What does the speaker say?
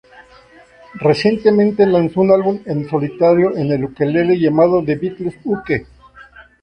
Recientemente lanzó un álbum en solitario en el ukelele llamado "The Beatles Uke".